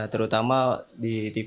terutama di tv